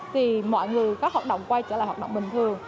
thì mọi người các hoạt động quay trở lại hoạt động bình thường